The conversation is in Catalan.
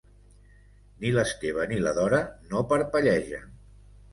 Ni l'Esteve ni la Dora no parpellegen.